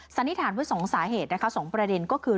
สันนิษฐานเพื่อสองสาเหตุนะคะสองประเด็นก็คือ